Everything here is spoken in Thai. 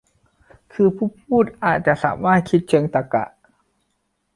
คือผู้พูด อาจจะสามารถคิดเชิงตรรกะ